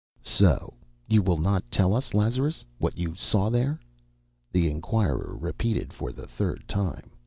"So you will not tell us, Lazarus, what you saw There?" the inquirer repeated for the third time.